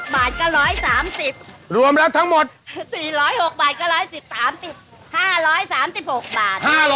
๔๐๖บาทก็๑๓๐บาทรวมแล้วทั้งหมด๔๐๖บาทก็๑๓๐๕๓๖บาท๕๓๖บาทโอ้โห